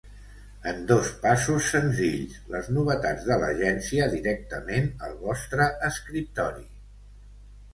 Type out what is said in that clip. En dos passos senzills, les novetats de l'Agència directament al vostre escriptori!